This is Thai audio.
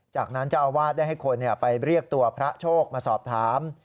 จากนั้นเจ้าอาวาสได้ให้คนไปเรียกตัวพระโชคมาสอบถาม